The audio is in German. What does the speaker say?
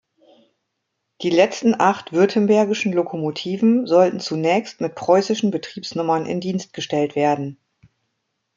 Die letzten acht württembergischen Lokomotiven sollten zunächst mit preußischen Betriebsnummern in Dienst gestellt werden.